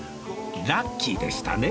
ラッキーでしたね